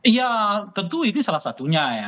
ya tentu itu salah satunya ya